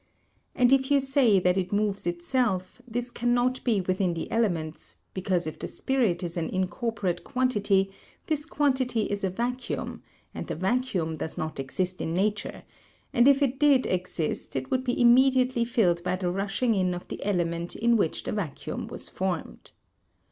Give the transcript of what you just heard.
And if you say that it moves itself, this cannot be within the elements, because if the spirit is an incorporate quantity this quantity is a vacuum and the vacuum does not exist in nature, and if it did exist it would be immediately filled by the rushing in of the element in which the vacuum was formed.